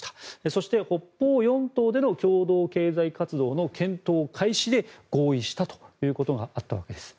そして、北方四島での共同経済活動の検討開始で合意したということがあったわけです。